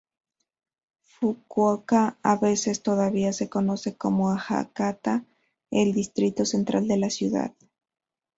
Fukuoka a veces todavía se conoce como Hakata, el distrito central de la ciudad.